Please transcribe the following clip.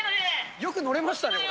よく乗れましたね。